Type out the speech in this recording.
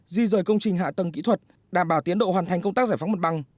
di rời công trình hạ tầng kỹ thuật đảm bảo tiến độ hoàn thành công tác giải phóng mặt bằng